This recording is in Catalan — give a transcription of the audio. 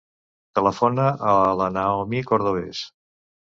Telefona a la Naomi Cordobes.